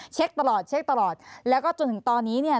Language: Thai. เช็กตลอดแล้วก็จนถึงตอนนี้